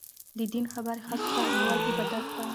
د دین خبرې ښځو ته رسول عبادت دی.